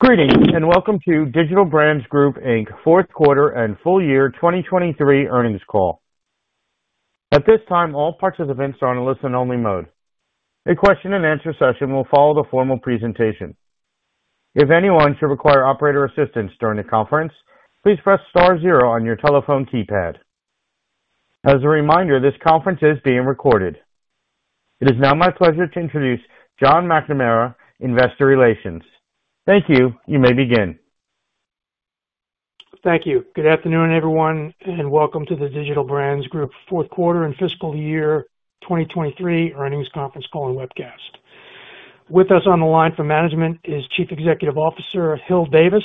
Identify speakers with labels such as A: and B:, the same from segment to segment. A: Greetings and welcome to Digital Brands Group, Inc. fourth quarter and full year 2023 earnings call. At this time, all participants are on a listen-only mode. A question-and-answer session will follow the formal presentation. If anyone should require operator assistance during the conference, please press star zero on your telephone keypad. As a reminder, this conference is being recorded. It is now my pleasure to introduce John McNamara, Investor Relations. Thank you. You may begin.
B: Thank you. Good afternoon, everyone, and welcome to the Digital Brands Group fourth quarter and fiscal year 2023 earnings conference call and webcast. With us on the line from management is Chief Executive Officer Hil Davis.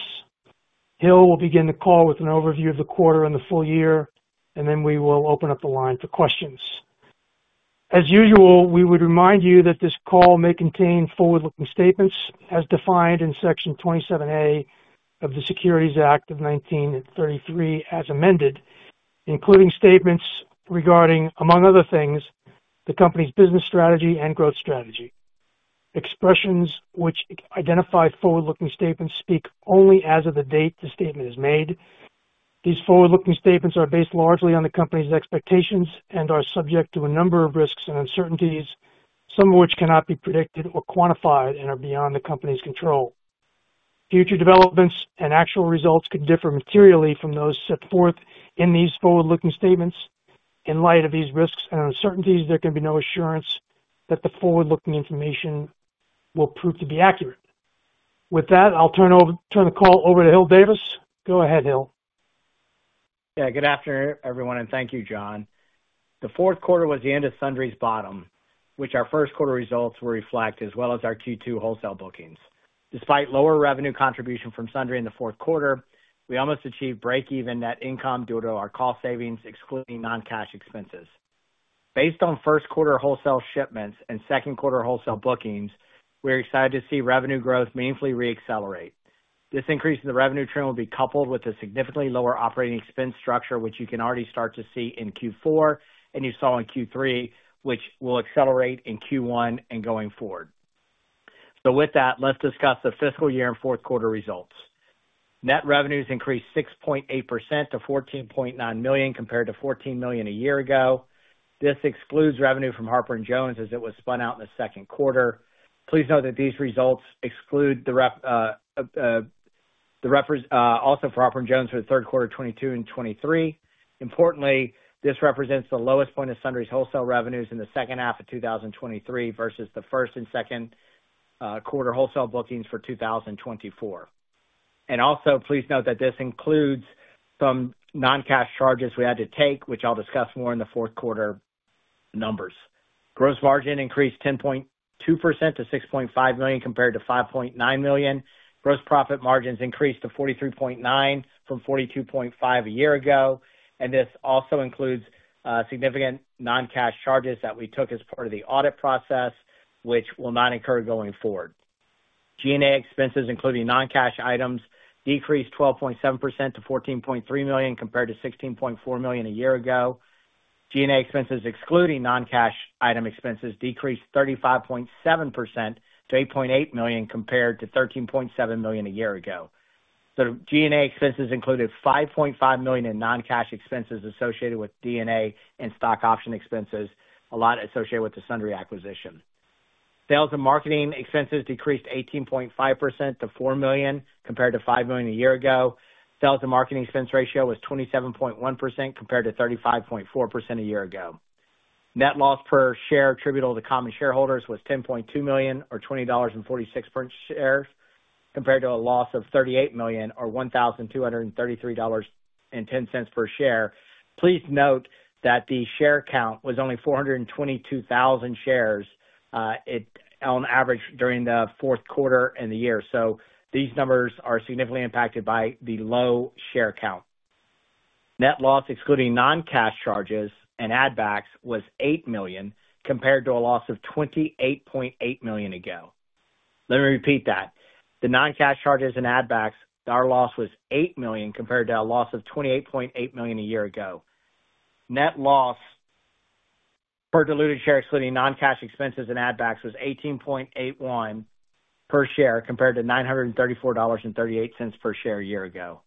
B: Hil will begin the call with an overview of the quarter and the full year, and then we will open up the line for questions. As usual, we would remind you that this call may contain forward-looking statements as defined in Section 27A of the Securities Act of 1933 as amended, including statements regarding, among other things, the company's business strategy and growth strategy. Expressions which identify forward-looking statements speak only as of the date the statement is made. These forward-looking statements are based largely on the company's expectations and are subject to a number of risks and uncertainties, some of which cannot be predicted or quantified and are beyond the company's control. Future developments and actual results could differ materially from those set forth in these forward-looking statements. In light of these risks and uncertainties, there can be no assurance that the forward-looking information will prove to be accurate. With that, I'll turn the call over to Hil Davis. Go ahead, Hil.
C: Yeah. Good afternoon, everyone, and thank you, John. The fourth quarter was the end of Sundry's bottom, which our first quarter results will reflect, as well as our Q2 wholesale bookings. Despite lower revenue contribution from Sundry in the fourth quarter, we almost achieved break-even net income due to our cost savings, excluding non-cash expenses. Based on first quarter wholesale shipments and second quarter wholesale bookings, we're excited to see revenue growth meaningfully reaccelerate. This increase in the revenue trend will be coupled with a significantly lower operating expense structure, which you can already start to see in Q4 and you saw in Q3, which will accelerate in Q1 and going forward. So with that, let's discuss the fiscal year and fourth quarter results. Net revenues increased 6.8% to $14,900,000 compared to $14,000,000 a year ago. This excludes revenue from Harper & Jones as it was spun out in the second quarter. Please note that these results exclude also for Harper & Jones for the third quarter 2022 and 2023. Importantly, this represents the lowest point of Sundry's wholesale revenues in the second half of 2023 versus the first and second quarter wholesale bookings for 2024. Also, please note that this includes some non-cash charges we had to take, which I'll discuss more in the fourth quarter numbers. Gross profit increased 10.2% to $6,500,000 compared to $5,900,000. Gross profit margins increased to 43.9% from 42.5% a year ago. This also includes significant non-cash charges that we took as part of the audit process, which will not incur going forward. G&A expenses, including non-cash items, decreased 12.7% to $14,300,000 compared to $16,400,000 a year ago. G&A expenses excluding non-cash item expenses decreased 35.7% to $8,800,000 compared to $13,700,000 a year ago. So G&A expenses included $5,500,000 in non-cash expenses associated with D&A and stock option expenses, a lot associated with the Sundry acquisition. Sales and marketing expenses decreased 18.5% to $4,000,000 compared to $5,000,000 a year ago. Sales and marketing expense ratio was 27.1% compared to 35.4% a year ago. Net loss per share attributable to common shareholders was $10,200,000 or $20.46 per share compared to a loss of $38,000,000 or $1,233.10 per share. Please note that the share count was only 422,000 shares on average during the fourth quarter and the year. So these numbers are significantly impacted by the low share count. Net loss excluding non-cash charges and add-backs was $8,000,000 compared to a loss of $28,800,000 ago. Let me repeat that. The non-cash charges and add-backs, our loss was $8,000,000 compared to a loss of $28,800,000 a year ago. Net loss per diluted share excluding non-cash expenses and add-backs was $18.81 per share compared to $934.38 per share a year ago.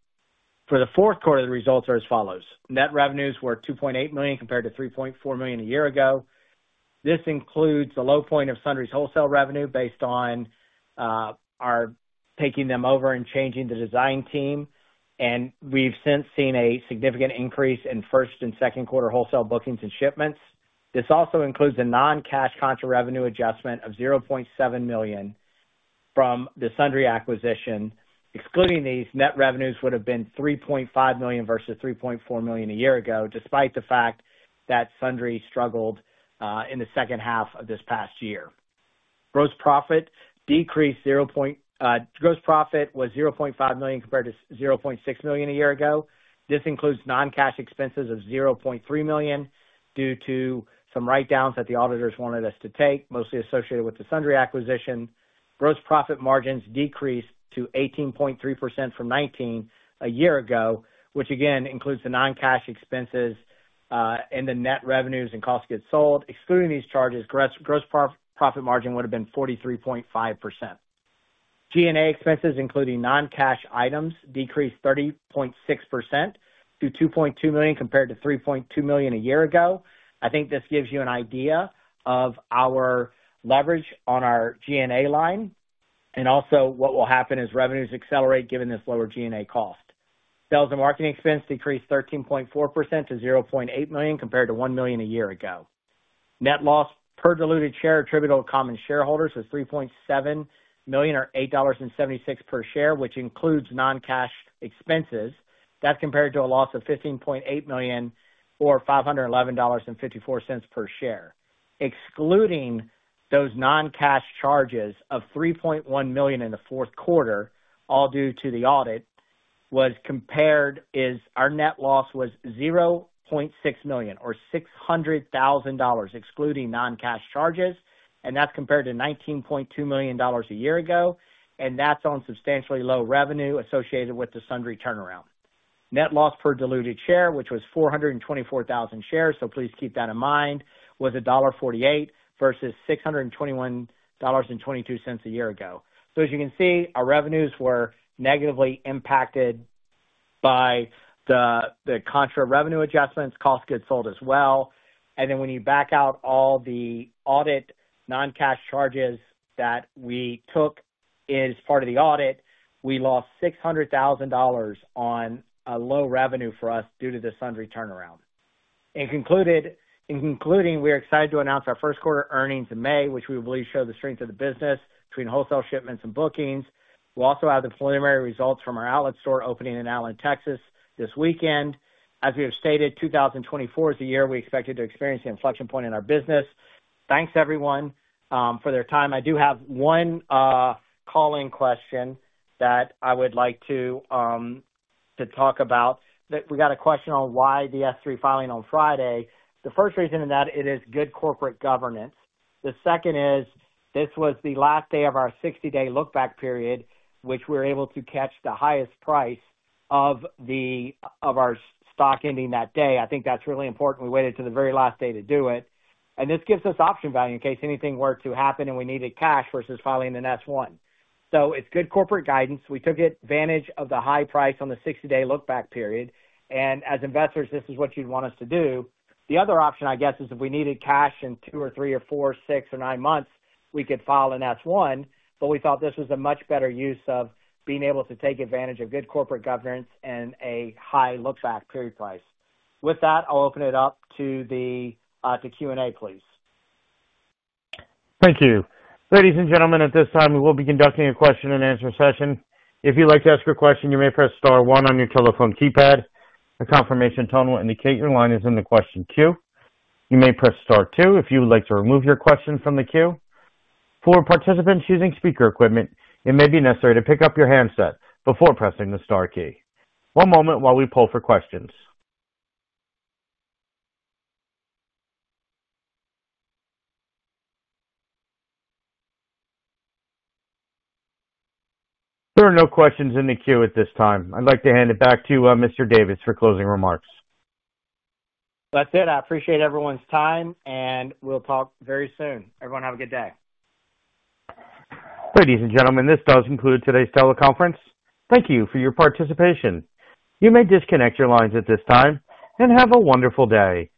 C: For the fourth quarter, the results are as follows. Net revenues were $2,800,000 compared to $3,400,000 a year ago. This includes the low point of Sundry's wholesale revenue based on our taking them over and changing the design team. We've since seen a significant increase in first and second quarter wholesale bookings and shipments. This also includes a non-cash contra-revenue adjustment of $700,000 from the Sundry acquisition. Excluding these, net revenues would have been $3,500,000 versus $3,400,000 a year ago, despite the fact that Sundry struggled in the second half of this past year. Gross profit decreased 0. Gross profit was $500,000 compared to $600,000 a year ago. This includes non-cash expenses of $300,000 due to some write-downs that the auditors wanted us to take, mostly associated with the Sundry acquisition. Gross profit margins decreased to 18.3% from 19% a year ago, which again includes the non-cash expenses and the net revenues and cost of goods sold. Excluding these charges, gross profit margin would have been 43.5%. G&A expenses, including non-cash items, decreased 30.6% to $2,200,000 compared to $3,200,000 a year ago. I think this gives you an idea of our leverage on our G&A line. And also, what will happen is revenues accelerate given this lower G&A cost. Sales and marketing expense decreased 13.4% to $800,000 compared to $1,000,000 a year ago. Net loss per diluted share attributable to common shareholders was $3,700,000 or $8.76 per share, which includes non-cash expenses. That's compared to a loss of $15,800,000 or $511.54 per share. Excluding those non-cash charges of $3,100,000 in the fourth quarter, all due to the audit, our net loss was $0.6 million or $600,000 excluding non-cash charges. That's compared to $19,200,000 a year ago. That's on substantially low revenue associated with the Sundry turnaround. Net loss per diluted share, which was 424,000 shares, so please keep that in mind, was $1.48 versus $621.22 a year ago. So as you can see, our revenues were negatively impacted by the contra-revenue adjustments, cost of goods sold as well. And then when you back out all the audit non-cash charges that we took as part of the audit, we lost $600,000 on a low revenue for us due to the Sundry turnaround. In concluding, we are excited to announce our first quarter earnings in May, which we believe show the strength of the business between wholesale shipments and bookings. We'll also have the preliminary results from our outlet store opening in Allen, Texas this weekend. As we have stated, 2024 is the year we expected to experience the inflection point in our business. Thanks, everyone, for their time. I do have one call-in question that I would like to talk about. We got a question on why the S-3 filing on Friday. The first reason is that, it is good corporate governance. The second is this was the last day of our 60-day lookback period, which we were able to catch the highest price of our stock ending that day. I think that's really important. We waited to the very last day to do it. This gives us option value in case anything were to happen and we needed cash versus filing an S-1. It's good corporate guidance. We took advantage of the high price on the 60-day lookback period. As investors, this is what you'd want us to do. The other option, I guess, is if we needed cash in 2 or 3 or 4, 6, or 9 months, we could file an S-1. We thought this was a much better use of being able to take advantage of good corporate governance and a high lookback period price. With that, I'll open it up to Q&A, please.
A: Thank you. Ladies and gentlemen, at this time, we will be conducting a question-and-answer session. If you'd like to ask a question, you may press star one on your telephone keypad. The confirmation tone will indicate your line is in the question queue. You may press star two if you would like to remove your question from the queue. For participants using speaker equipment, it may be necessary to pick up your handset before pressing the star key. One moment while we pull for questions. There are no questions in the queue at this time. I'd like to hand it back to Mr. Davis for closing remarks.
C: That's it. I appreciate everyone's time, and we'll talk very soon. Everyone, have a good day.
A: Ladies and gentlemen, this does conclude today's teleconference. Thank you for your participation. You may disconnect your lines at this time and have a wonderful day.